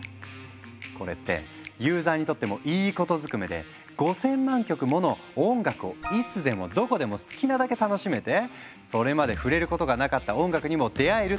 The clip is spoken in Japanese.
これってユーザーにとってもいいことずくめで５，０００万曲もの音楽をいつでもどこでも好きなだけ楽しめてそれまで触れることがなかった音楽にも出会えるっていう画期的な話。